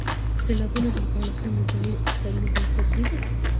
سیلابونه د افغانستان د ځایي اقتصادونو بنسټ دی.